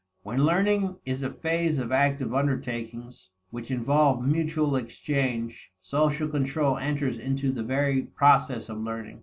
When learning is a phase of active undertakings which involve mutual exchange, social control enters into the very process of learning.